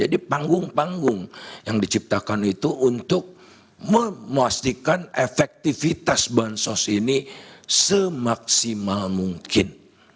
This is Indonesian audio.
jadi panggung panggung yang diciptakan itu untuk memastikan efektivitas bahan sos ini semaksimal mungkin